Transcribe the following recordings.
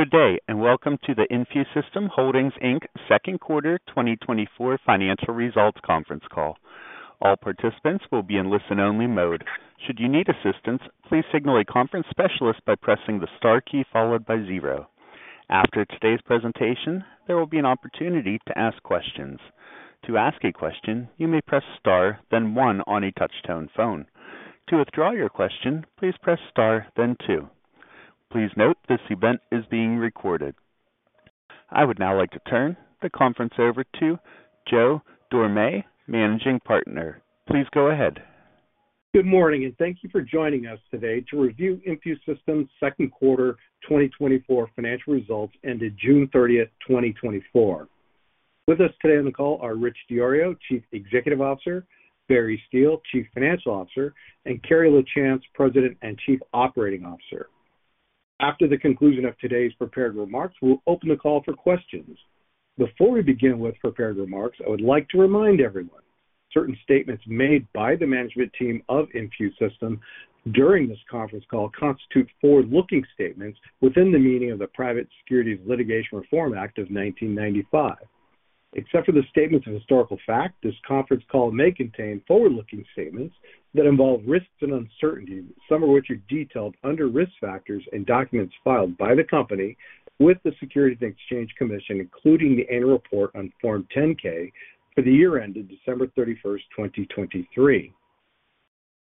Good day, and welcome to the InfuSystem Holdings, Inc. Second Quarter 2024 Financial Results Conference Call. All participants will be in listen-only mode. Should you need assistance, please signal a conference specialist by pressing the star key followed by zero. After today's presentation, there will be an opportunity to ask questions. To ask a question, you may press Star, then one on a touch-tone phone. To withdraw your question, please press Star, then two. Please note, this event is being recorded. I would now like to turn the conference over to Joe Dorame, Managing Partner. Please go ahead. Good morning, and thank you for joining us today to review InfuSystem's second quarter 2024 financial results, ended June 30th, 2024. With us today on the call are Rich DiIorio, Chief Executive Officer, Barry Steele, Chief Financial Officer, and Carrie Lachance, President and Chief Operating Officer. After the conclusion of today's prepared remarks, we'll open the call for questions. Before we begin with prepared remarks, I would like to remind everyone, certain statements made by the management team of InfuSystem during this conference call constitute forward-looking statements within the meaning of the Private Securities Litigation Reform Act of 1995. Except for the statements of historical fact, this conference call may contain forward-looking statements that involve risks and uncertainties, some of which are detailed under Risk Factors in documents filed by the company with the Securities and Exchange Commission, including the annual report on Form 10-K for the year ended December 31st, 2023.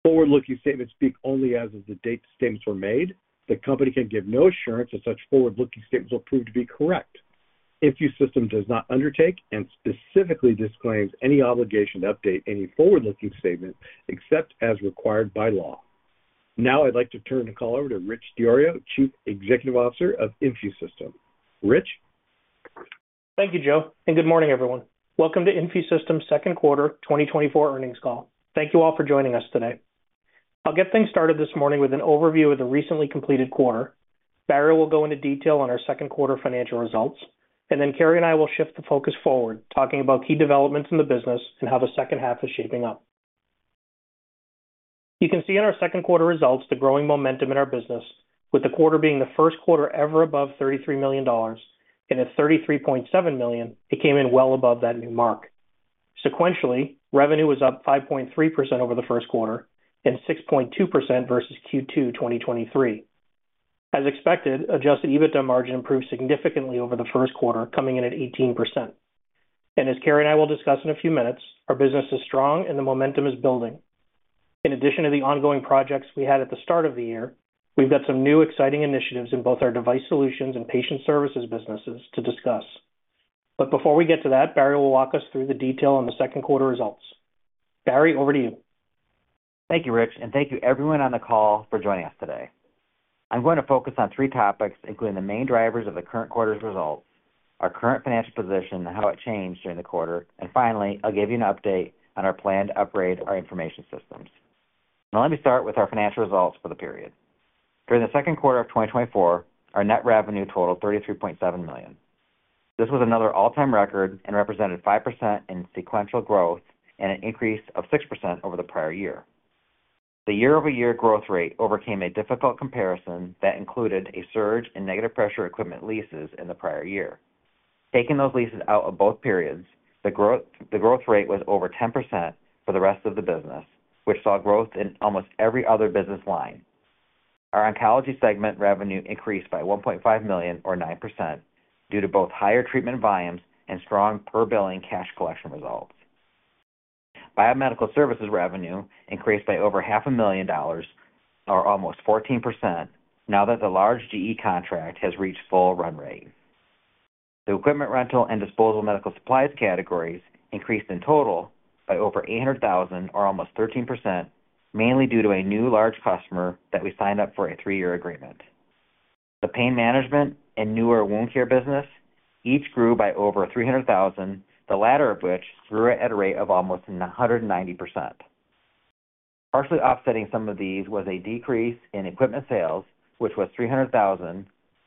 Forward-looking statements speak only as of the date the statements were made. The company can give no assurance that such forward-looking statements will prove to be correct. InfuSystem does not undertake and specifically disclaims any obligation to update any forward-looking statement, except as required by law. Now I'd like to turn the call over to Rich DiIorio, Chief Executive Officer of InfuSystem. Rich? Thank you, Joe, and good morning, everyone. Welcome to InfuSystem's second quarter 2024 earnings call. Thank you all for joining us today. I'll get things started this morning with an overview of the recently completed quarter. Barry will go into detail on our second quarter financial results, and then Carrie and I will shift the focus forward, talking about key developments in the business and how the second half is shaping up. You can see in our second quarter results the growing momentum in our business, with the quarter being the first quarter ever above $33 million, and at $33.7 million, it came in well above that new mark. Sequentially, revenue was up 5.3% over the first quarter and 6.2% versus Q2 2023. As expected, adjusted EBITDA margin improved significantly over the first quarter, coming in at 18%. As Carrie and I will discuss in a few minutes, our business is strong and the momentum is building. In addition to the ongoing projects we had at the start of the year, we've got some new exciting initiatives in both our Device Solutions and Patient Services businesses to discuss. But before we get to that, Barry will walk us through the detail on the second quarter results. Barry, over to you. Thank you, Rich, and thank you everyone on the call for joining us today. I'm going to focus on three topics, including the main drivers of the current quarter's results, our current financial position and how it changed during the quarter, and finally, I'll give you an update on our plan to upgrade our information systems. Now, let me start with our financial results for the period. During the second quarter of 2024, our net revenue totaled $33.7 million. This was another all-time record and represented 5% in sequential growth and an increase of 6% over the prior year. The year-over-year growth rate overcame a difficult comparison that included a surge in negative pressure equipment leases in the prior year. Taking those leases out of both periods, the growth, the growth rate was over 10% for the rest of the business, which saw growth in almost every other business line. Our oncology segment revenue increased by $1.5 million, or 9%, due to both higher treatment volumes and strong per-billing cash collection results. Biomedical services revenue increased by over $500,000, or almost 14%, now that the large GE contract has reached full run rate. The equipment rental and disposable medical supplies categories increased in total by over $800,000, or almost 13%, mainly due to a new large customer that we signed up for a 3-year agreement. The pain management and newer wound care business each grew by over $300,000, the latter of which grew at a rate of almost 190%. Partially offsetting some of these was a decrease in equipment sales, which was $300,000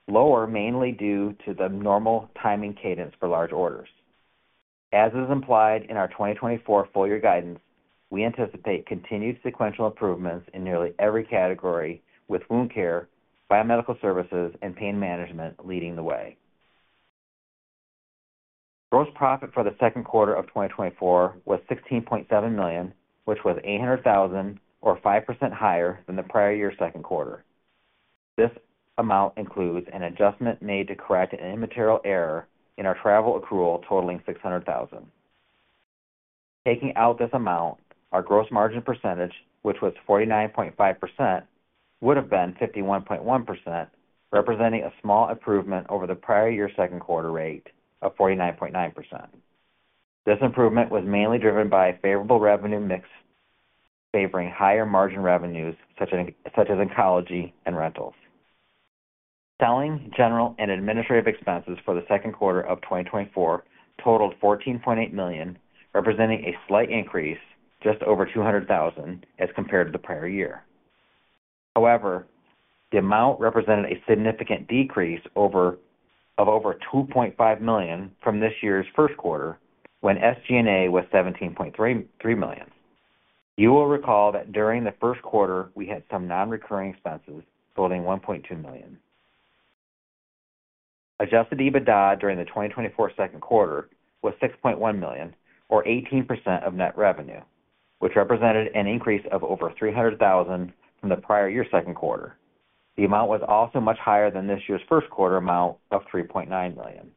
lower mainly due to the normal timing cadence for large orders. As is implied in our 2024 full year guidance, we anticipate continued sequential improvements in nearly every category, with wound care, biomedical services, and pain management leading the way. Gross profit for the second quarter of 2024 was $16.7 million, which was $800,000, or 5% higher than the prior year's second quarter. This amount includes an adjustment made to correct an immaterial error in our travel accrual totaling $600,000. Taking out this amount, our gross margin percentage, which was 49.5%, would have been 51.1%, representing a small improvement over the prior year's second quarter rate of 49.9%. This improvement was mainly driven by favorable revenue mix, favoring higher margin revenues, such as oncology and rentals. Selling, general, and administrative expenses for the second quarter of 2024 totaled $14.8 million, representing a slight increase, just over $200,000, as compared to the prior year. However, the amount represented a significant decrease of over $2.5 million from this year's first quarter, when SG&A was $17.3 million. You will recall that during the first quarter, we had some non-recurring expenses totaling $1.2 million. Adjusted EBITDA during the 2024 second quarter was $6.1 million, or 18% of net revenue, which represented an increase of over $300,000 from the prior year's second quarter. The amount was also much higher than this year's first quarter amount of $3.9 million.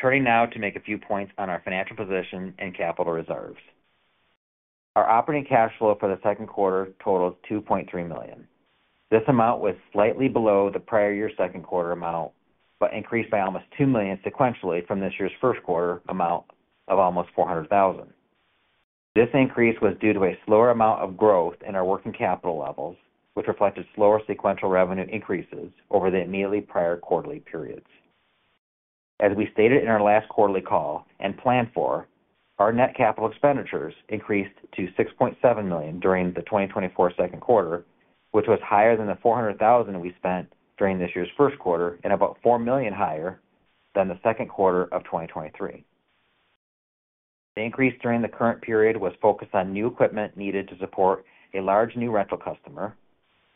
Turning now to make a few points on our financial position and capital reserves. Our operating cash flow for the second quarter totaled $2.3 million. This amount was slightly below the prior year's second quarter amount, but increased by almost $2 million sequentially from this year's first quarter amount of almost $400,000. This increase was due to a slower amount of growth in our working capital levels, which reflected slower sequential revenue increases over the immediately prior quarterly periods. As we stated in our last quarterly call, and planned for, our net capital expenditures increased to $6.7 million during the 2024 second quarter, which was higher than the $400,000 we spent during this year's first quarter and about $4 million higher than the second quarter of 2023. The increase during the current period was focused on new equipment needed to support a large new rental customer,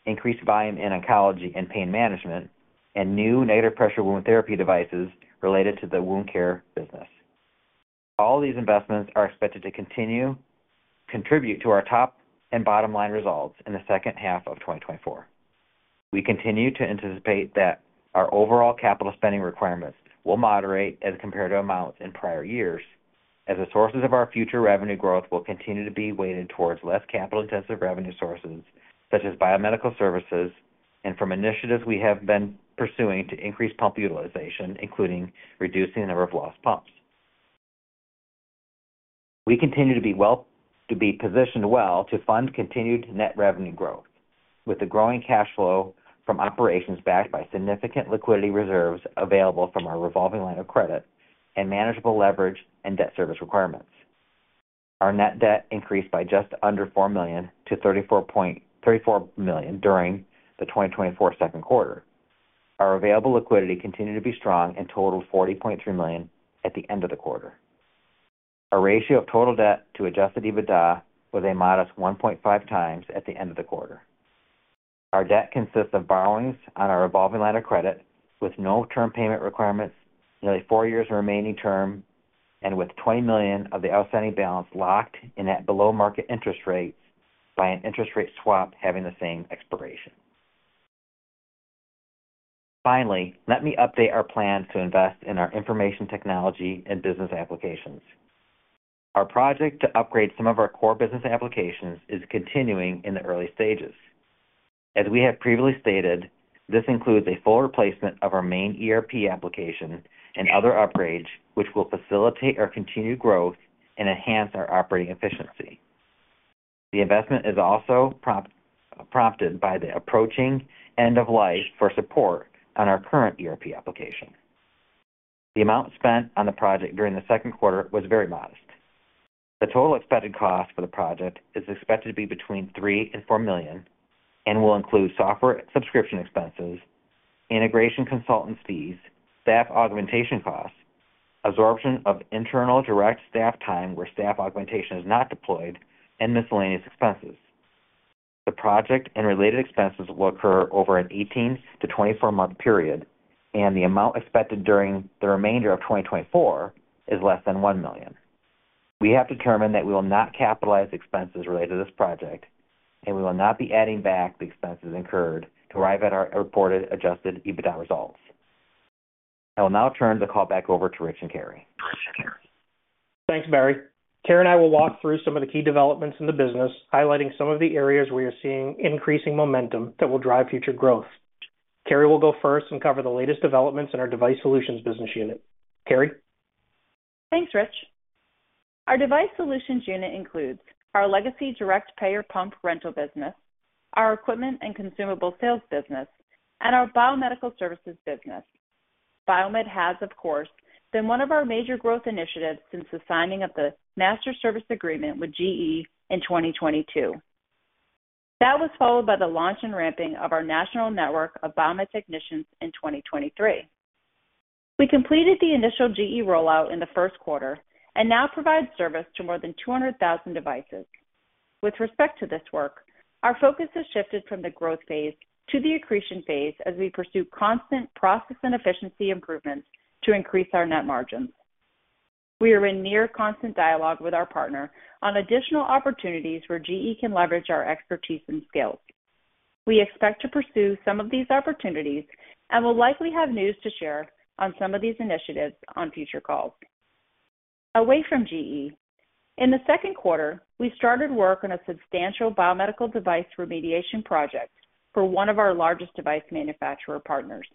increased volume in oncology and pain management, and new negative pressure wound therapy devices related to the wound care business. All these investments are expected to continue to contribute to our top and bottom line results in the second half of 2024. We continue to anticipate that our overall capital spending requirements will moderate as compared to amounts in prior years, as the sources of our future revenue growth will continue to be weighted towards less capital-intensive revenue sources, such as biomedical services, and from initiatives we have been pursuing to increase pump utilization, including reducing the number of lost pumps. We continue to be positioned well to fund continued net revenue growth, with the growing cash flow from operations backed by significant liquidity reserves available from our revolving line of credit and manageable leverage and debt service requirements. Our net debt increased by just under $4 million to $34 million during the 2024 second quarter. Our available liquidity continued to be strong and totaled $40.3 million at the end of the quarter. Our ratio of total debt to Adjusted EBITDA was a modest 1.5 times at the end of the quarter. Our debt consists of borrowings on our revolving line of credit with no term payment requirements, nearly four years remaining term, and with $20 million of the outstanding balance locked in at below-market interest rates by an interest rate swap having the same expiration. Finally, let me update our plans to invest in our information technology and business applications. Our project to upgrade some of our core business applications is continuing in the early stages. As we have previously stated, this includes a full replacement of our main ERP application and other upgrades, which will facilitate our continued growth and enhance our operating efficiency. The investment is also prompted by the approaching end of life for support on our current ERP application. The amount spent on the project during the second quarter was very modest. The total expected cost for the project is expected to be between $3 million and $4 million and will include software subscription expenses, integration consultancy fees, staff augmentation costs, absorption of internal direct staff time where staff augmentation is not deployed, and miscellaneous expenses. The project and related expenses will occur over an 18-24-month period, and the amount expected during the remainder of 2024 is less than $1 million. We have determined that we will not capitalize expenses related to this project, and we will not be adding back the expenses incurred to arrive at our reported Adjusted EBITDA results. I will now turn the call back over to Rich and Carrie. Thanks, Barry. Carrie and I will walk through some of the key developments in the business, highlighting some of the areas where we are seeing increasing momentum that will drive future growth. Carrie will go first and cover the latest developments in our Device Solutions business unit. Carrie? Thanks, Rich. Our Device Solutions unit includes our legacy direct payer pump rental business, our equipment and consumable sales business, and our biomedical services business. Biomed has, of course, been one of our major growth initiatives since the signing of the Master Service Agreement with GE in 2022. That was followed by the launch and ramping of our national network of biomed technicians in 2023. We completed the initial GE rollout in the first quarter and now provide service to more than 200,000 devices. With respect to this work, our focus has shifted from the growth phase to the accretion phase as we pursue constant process and efficiency improvements to increase our net margins. We are in near constant dialogue with our partner on additional opportunities where GE can leverage our expertise and skills. We expect to pursue some of these opportunities and will likely have news to share on some of these initiatives on future calls. Away from GE, in the second quarter, we started work on a substantial biomedical device remediation project for one of our largest device manufacturer partners.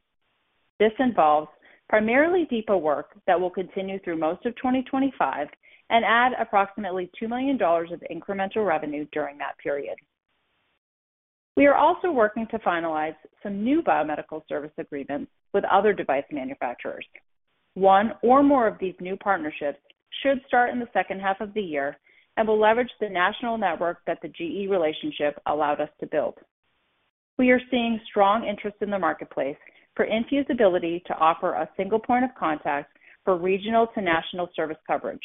This involves primarily depot work that will continue through most of 2025 and add approximately $2 million of incremental revenue during that period. We are also working to finalize some new biomedical service agreements with other device manufacturers. One or more of these new partnerships should start in the second half of the year and will leverage the national network that the GE relationship allowed us to build. We are seeing strong interest in the marketplace for InfuSystem's ability to offer a single point of contact for regional to national service coverage.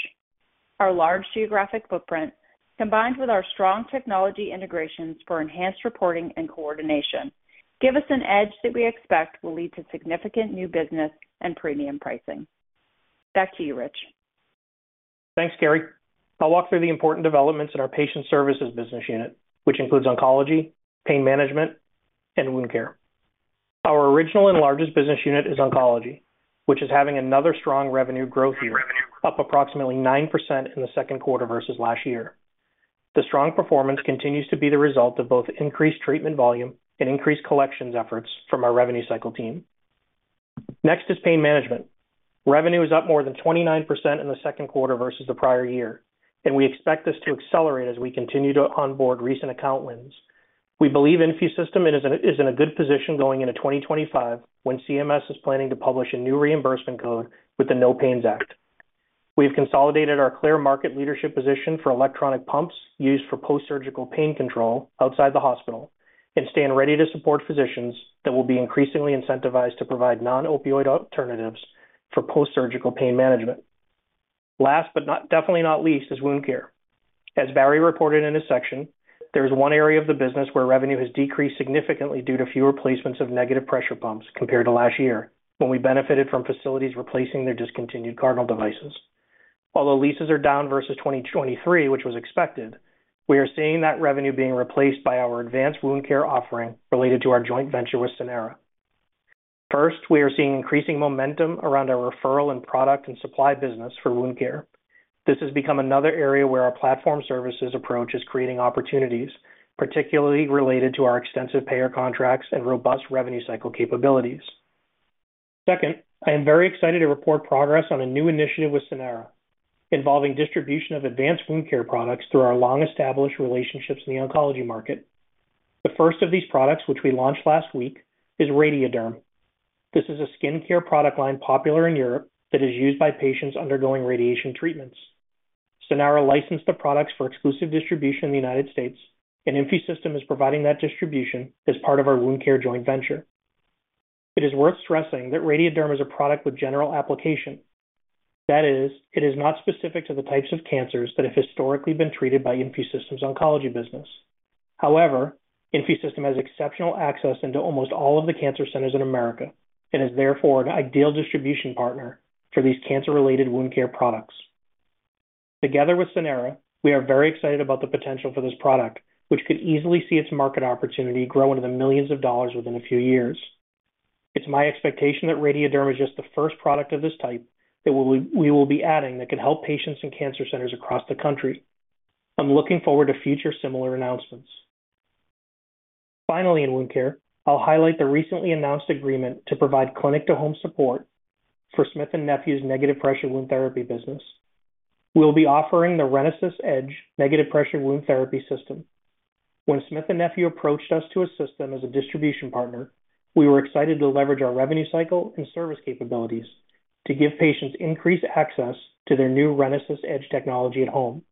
Our large geographic footprint, combined with our strong technology integrations for enhanced reporting and coordination, give us an edge that we expect will lead to significant new business and premium pricing. Back to you, Rich. Thanks, Carrie. I'll walk through the important developments in our Patient Services business unit, which includes oncology, pain management, and wound care. Our original and largest business unit is oncology, which is having another strong revenue growth year, up approximately 9% in the second quarter versus last year. The strong performance continues to be the result of both increased treatment volume and increased collections efforts from our revenue cycle team. Next is pain management. Revenue is up more than 29% in the second quarter versus the prior year, and we expect this to accelerate as we continue to onboard recent account wins. We believe InfuSystem is in a good position going into 2025, when CMS is planning to publish a new reimbursement code with the NOPAIN Act. We've consolidated our clear market leadership position for electronic pumps used for post-surgical pain control outside the hospital and stand ready to support physicians that will be increasingly incentivized to provide non-opioid alternatives for post-surgical pain management. Last, but not, definitely not least, is wound care. As Barry reported in his section, there is one area of the business where revenue has decreased significantly due to fewer placements of negative pressure pumps compared to last year, when we benefited from facilities replacing their discontinued Cardinal devices. Although leases are down versus 2023, which was expected, we are seeing that revenue being replaced by our advanced wound care offering related to our joint venture with Sanara. First, we are seeing increasing momentum around our referral and product and supply business for wound care. This has become another area where our platform services approach is creating opportunities, particularly related to our extensive payer contracts and robust revenue cycle capabilities. Second, I am very excited to report progress on a new initiative with Sanara, involving distribution of advanced wound care products through our long-established relationships in the oncology market. The first of these products, which we launched last week, is Radiaderm. This is a skincare product line, popular in Europe, that is used by patients undergoing radiation treatments. Sanara licensed the products for exclusive distribution in the United States, and InfuSystem is providing that distribution as part of our wound care joint venture. It is worth stressing that Radiaderm is a product with general application. That is, it is not specific to the types of cancers that have historically been treated by InfuSystem's oncology business. However, InfuSystem has exceptional access into almost all of the cancer centers in America and is therefore an ideal distribution partner for these cancer-related wound care products. Together with Sanara, we are very excited about the potential for this product, which could easily see its market opportunity grow into the millions of dollars within a few years. It's my expectation that Radiaderm is just the first product of this type that we will, we will be adding that can help patients in cancer centers across the country. I'm looking forward to future similar announcements. Finally, in wound care, I'll highlight the recently announced agreement to provide clinic-to-home support for Smith & Nephew's negative pressure wound therapy business. We'll be offering the RENASYS EDGE negative pressure wound therapy system. When Smith & Nephew approached us to assist them as a distribution partner, we were excited to leverage our revenue cycle and service capabilities to give patients increased access to their new RENASYS EDGE technology at home.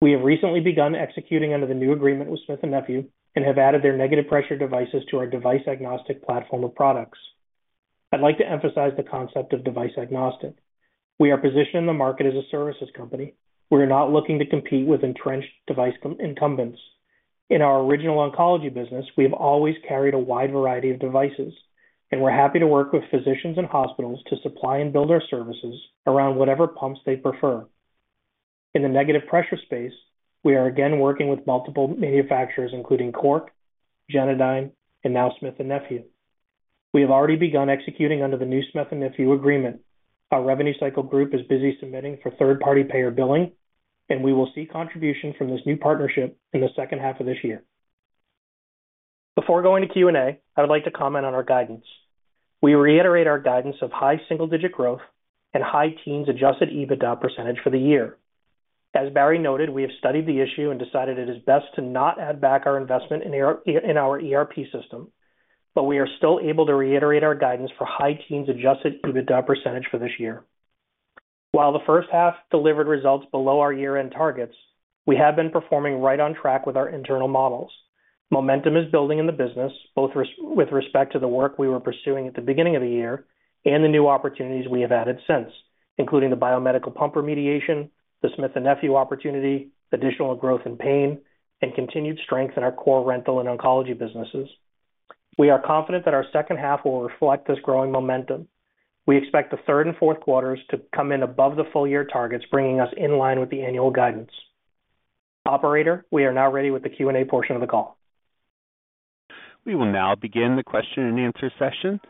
We have recently begun executing under the new agreement with Smith & Nephew and have added their negative pressure devices to our device-agnostic platform of products. I'd like to emphasize the concept of device agnostic. We are positioned in the market as a services company. We are not looking to compete with entrenched device incumbents. In our original oncology business, we have always carried a wide variety of devices, and we're happy to work with physicians and hospitals to supply and build our services around whatever pumps they prefer. In the negative pressure space, we are again working with multiple manufacturers, including Cork, Genadyne, and now Smith & Nephew. We have already begun executing under the new Smith & Nephew agreement. Our revenue cycle group is busy submitting for third-party payer billing, and we will see contribution from this new partnership in the second half of this year. Before going to Q&A, I would like to comment on our guidance. We reiterate our guidance of high single-digit growth and high teens Adjusted EBITDA % for the year. As Barry noted, we have studied the issue and decided it is best to not add back our investment in our ERP system, but we are still able to reiterate our guidance for high teens Adjusted EBITDA % for this year. While the first half delivered results below our year-end targets, we have been performing right on track with our internal models. Momentum is building in the business, both with respect to the work we were pursuing at the beginning of the year and the new opportunities we have added since, including the biomedical pump remediation, the Smith & Nephew opportunity, additional growth in pain, and continued strength in our core rental and oncology businesses. We are confident that our second half will reflect this growing momentum. We expect the third and fourth quarters to come in above the full-year targets, bringing us in line with the annual guidance. Operator, we are now ready with the Q&A portion of the call. We will now begin the question and answer session.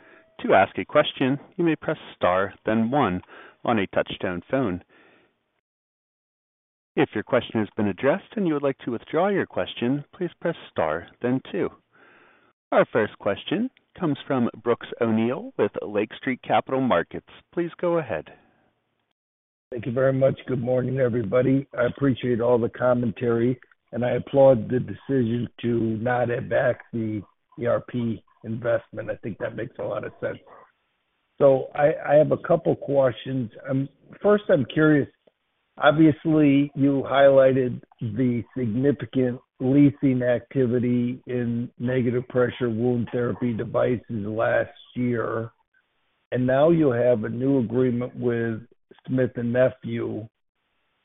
To ask a question, you may press Star, then one on a touchtone phone. If your question has been addressed and you would like to withdraw your question, please press Star then two. Our first question comes from Brooks O'Neil with Lake Street Capital Markets. Please go ahead. Thank you very much. Good morning, everybody. I appreciate all the commentary, and I applaud the decision to not add back the ERP investment. I think that makes a lot of sense. So I have a couple questions. First, I'm curious, obviously, you highlighted the significant leasing activity in negative pressure wound therapy devices last year, and now you have a new agreement with Smith & Nephew.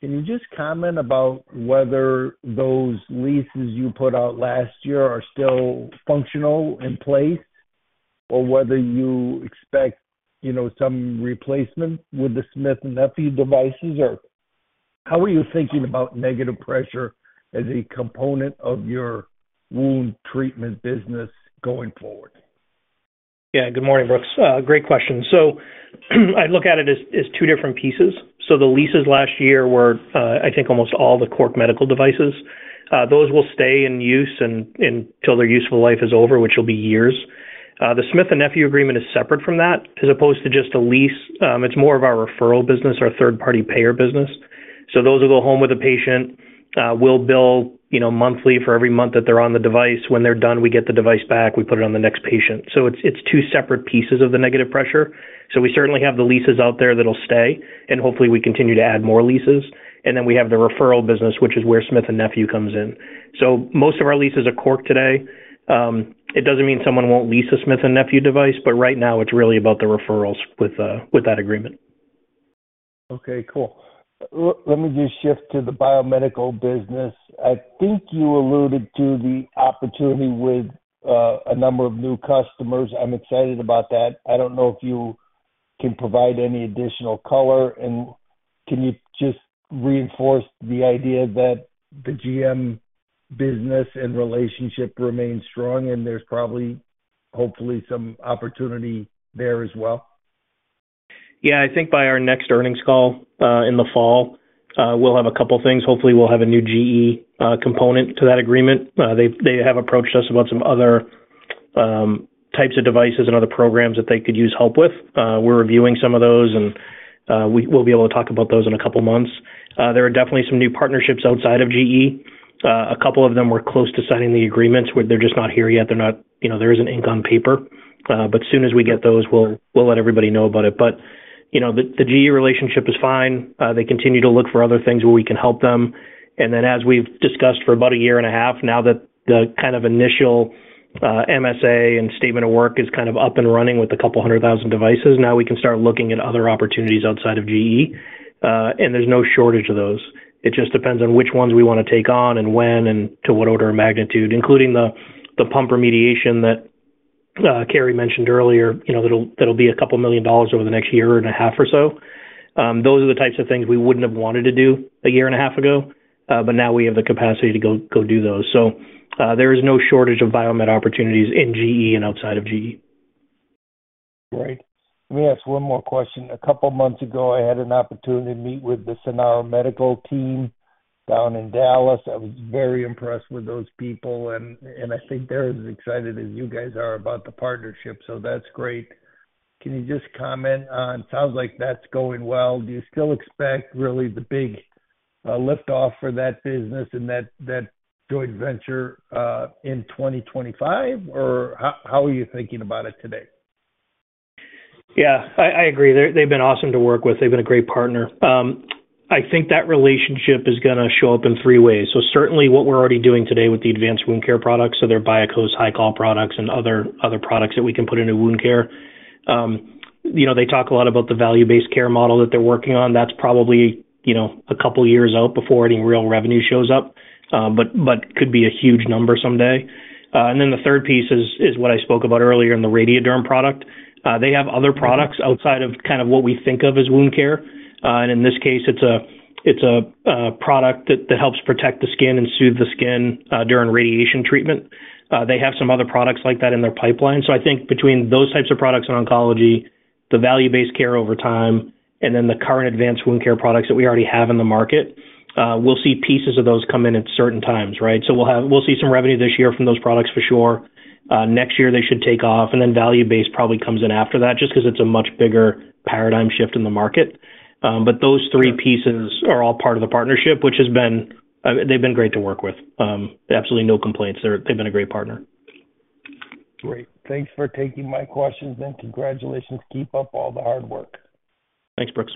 Can you just comment about whether those leases you put out last year are still functional in place, or whether you expect, you know, some replacement with the Smith & Nephew devices? Or how are you thinking about negative pressure as a component of your wound treatment business going forward? Yeah. Good morning, Brooks. Great question. So I look at it as two different pieces. So the leases last year were, I think almost all the Cork Medical devices. Those will stay in use and until their useful life is over, which will be years. The Smith & Nephew agreement is separate from that. As opposed to just a lease, it's more of our referral business, our third-party payer business. So those will go home with a patient, we'll bill, you know, monthly for every month that they're on the device. When they're done, we get the device back, we put it on the next patient. So it's two separate pieces of the negative pressure. So we certainly have the leases out there that'll stay, and hopefully, we continue to add more leases. And then we have the referral business, which is where Smith & Nephew comes in. So most of our leases are Cork today. It doesn't mean someone won't lease a Smith & Nephew device, but right now it's really about the referrals with, with that agreement. Okay, cool. Let me just shift to the biomedical business. I think you alluded to the opportunity with a number of new customers. I'm excited about that. I don't know if you can provide any additional color, and can you just reinforce the idea that the GE business and relationship remains strong, and there's probably, hopefully, some opportunity there as well? Yeah. I think by our next earnings call in the fall we'll have a couple things. Hopefully, we'll have a new GE component to that agreement. They have approached us about some other types of devices and other programs that they could use help with. We're reviewing some of those, and we'll be able to talk about those in a couple months. There are definitely some new partnerships outside of GE. A couple of them were close to signing the agreements, where they're just not here yet. They're not, you know, there isn't ink on paper, but as soon as we get those, we'll let everybody know about it. But, you know, the GE relationship is fine. They continue to look for other things where we can help them. And then, as we've discussed for about a year and a half now, that the kind of initial MSA and statement of work is kind of up and running with 200,000 devices, now we can start looking at other opportunities outside of GE, and there's no shortage of those. It just depends on which ones we wanna take on and when and to what order of magnitude, including the pump remediation that Carrie mentioned earlier. You know, that'll, that'll be $2 million over the next year and a half or so. Those are the types of things we wouldn't have wanted to do a year and a half ago, but now we have the capacity to go do those. So, there is no shortage of biomed opportunities in GE and outside of GE. Great. Let me ask one more question. A couple months ago, I had an opportunity to meet with the Sanara MedTech team down in Dallas. I was very impressed with those people and, and I think they're as excited as you guys are about the partnership, so that's great. Can you just comment on sounds like that's going well. Do you still expect really the big lift off for that business and that, that joint venture in 2025, or how, how are you thinking about it today? Yeah, I agree. They've been awesome to work with. They've been a great partner. I think that relationship is gonna show up in three ways. So certainly what we're already doing today with the advanced wound care products, so their BIAKŌS, HYCOL products, and other products that we can put into wound care. You know, they talk a lot about the value-based care model that they're working on. That's probably, you know, a couple of years out before any real revenue shows up, but could be a huge number someday. And then the third piece is what I spoke about earlier in the Radiaderm product. They have other products outside of kind of what we think of as wound care, and in this case, it's a product that helps protect the skin and soothe the skin during radiation treatment. They have some other products like that in their pipeline. So I think between those types of products and oncology, the value-based care over time, and then the current advanced wound care products that we already have in the market, we'll see pieces of those come in at certain times, right? So we'll see some revenue this year from those products for sure. Next year, they should take off, and then value-based probably comes in after that, just because it's a much bigger paradigm shift in the market. But those three pieces are all part of the partnership, which has been, they've been great to work with. Absolutely no complaints. They've been a great partner. Great. Thanks for taking my questions, and congratulations. Keep up all the hard work. Thanks, Brooks.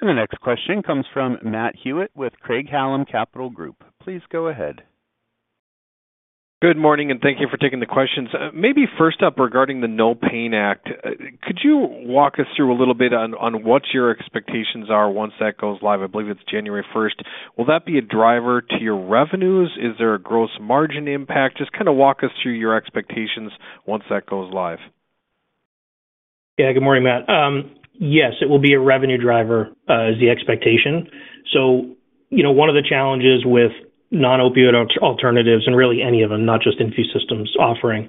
The next question comes from Matt Hewitt with Craig-Hallum Capital Group. Please go ahead. Good morning, and thank you for taking the questions. Maybe first up, regarding the NOPAIN Act, could you walk us through a little bit on what your expectations are once that goes live? I believe it's January first. Will that be a driver to your revenues? Is there a gross margin impact? Just kind of walk us through your expectations once that goes live. Yeah. Good morning, Matt. Yes, it will be a revenue driver, is the expectation. So, you know, one of the challenges with non-opioid alternatives, and really any of them, not just InfuSystem's offering,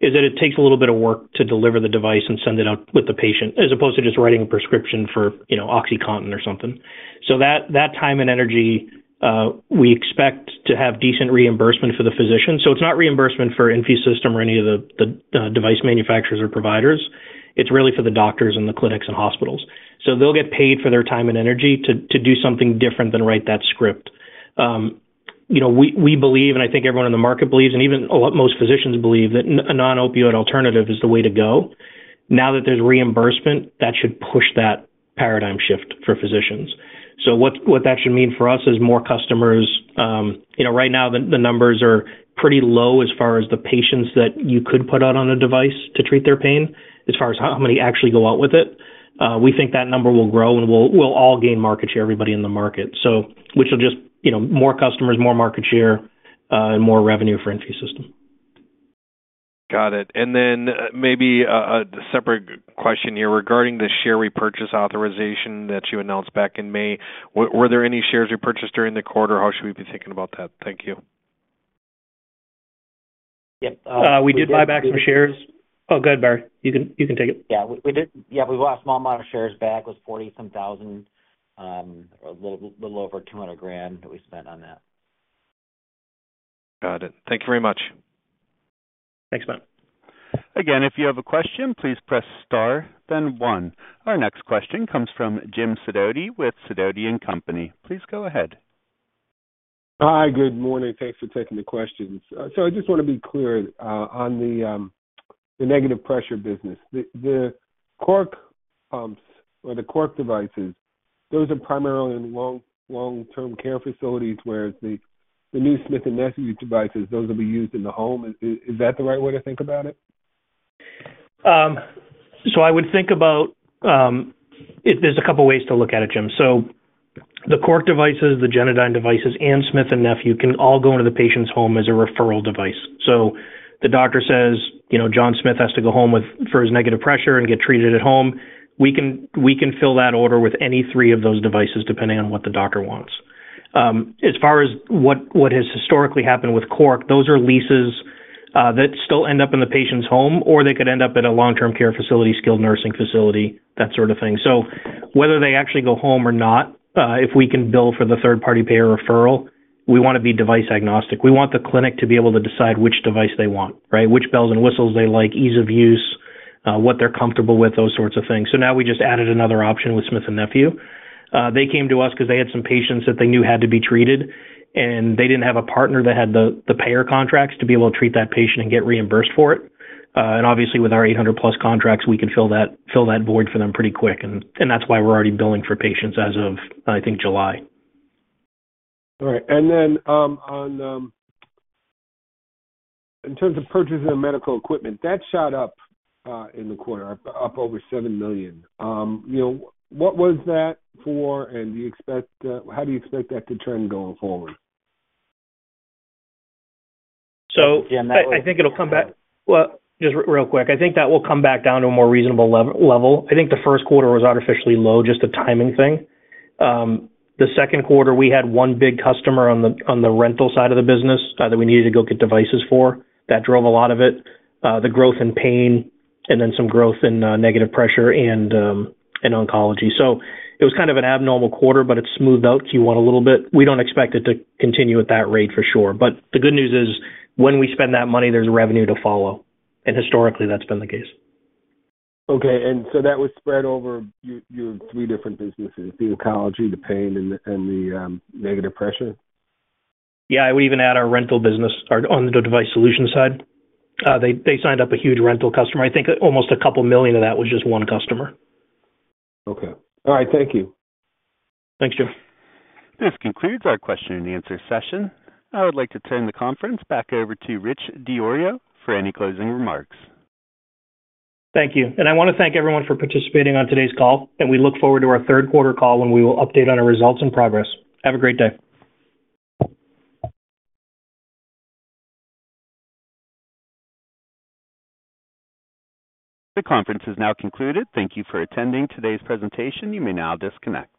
is that it takes a little bit of work to deliver the device and send it out with the patient, as opposed to just writing a prescription for, you know, OxyContin or something. So that, that time and energy, we expect to have decent reimbursement for the physician. So it's not reimbursement for InfuSystem or any of the device manufacturers or providers. It's really for the doctors and the clinics and hospitals. So they'll get paid for their time and energy to, to do something different than write that script. You know, we believe, and I think everyone in the market believes, and even a lot, most physicians believe, that a non-opioid alternative is the way to go. Now that there's reimbursement, that should push that paradigm shift for physicians. So what that should mean for us is more customers. You know, right now, the numbers are pretty low as far as the patients that you could put out on a device to treat their pain. As far as how many actually go out with it, we think that number will grow and we'll all gain market share, everybody in the market. So which will just, you know, more customers, more market share, and more revenue for InfuSystem. Got it. And then maybe a separate question here. Regarding the share repurchase authorization that you announced back in May, were there any shares repurchased during the quarter? How should we be thinking about that? Thank you. Yep. We did buy back some shares. Oh, go ahead, Barry. You can, you can take it. Yeah, we did. Yeah, we bought a small amount of shares back, was 40-some thousand, a little over $200,000 that we spent on that. Got it. Thank you very much. Thanks, Ben. Again, if you have a question, please press star then one. Our next question comes from Jim Sidoti with Sidoti & Company. Please go ahead. Hi, good morning. Thanks for taking the questions. So I just wanna be clear on the negative pressure business. The Cork or the Cork devices, those are primarily in long-term care facilities, where the new Smith & Nephew devices, those will be used in the home. Is that the right way to think about it? So I would think about there's a couple of ways to look at it, Jim. So the Cork devices, the Genadyne devices, and Smith & Nephew can all go into the patient's home as a referral device. So the doctor says, "You know, John Smith has to go home with—for his negative pressure and get treated at home." We can, we can fill that order with any three of those devices, depending on what the doctor wants. As far as what has historically happened with Cork, those are leases, that still end up in the patient's home, or they could end up at a long-term care facility, skilled nursing facility, that sort of thing. So whether they actually go home or not, if we can bill for the third-party payer referral, we wanna be device agnostic. We want the clinic to be able to decide which device they want, right? Which bells and whistles they like, ease of use, what they're comfortable with, those sorts of things. So now we just added another option with Smith & Nephew. They came to us because they had some patients that they knew had to be treated, and they didn't have a partner that had the payer contracts to be able to treat that patient and get reimbursed for it. And obviously, with our 800+ contracts, we can fill that void for them pretty quick, and that's why we're already billing for patients as of, I think, July. All right. And then, on in terms of purchasing the medical equipment, that shot up in the quarter, up, up over $7 million. You know, what was that for? And do you expect, how do you expect that to trend going forward? I think it'll come back- Well- Just real quick. I think that will come back down to a more reasonable level. I think the first quarter was artificially low, just a timing thing. The second quarter, we had one big customer on the, on the rental side of the business, that we needed to go get devices for. That drove a lot of it. The growth in pain and then some growth in, negative pressure and, in oncology. So it was kind of an abnormal quarter, but it's smoothed out Q1 a little bit. We don't expect it to continue at that rate for sure, but the good news is, when we spend that money, there's revenue to follow. And historically, that's been the case. Okay. And so that was spread over your three different businesses, the Oncology, the Pain, and the Negative Pressure? Yeah, I would even add our rental business, our on the Device Solutions side. They signed up a huge rental customer. I think almost $2 million of that was just one customer. Okay. All right. Thank you. Thanks, Jim. This concludes our question and answer session. I would like to turn the conference back over to Rich DiIorio for any closing remarks. Thank you. I want to thank everyone for participating on today's call, and we look forward to our third quarter call when we will update on our results and progress. Have a great day. The conference is now concluded. Thank you for attending today's presentation. You may now disconnect.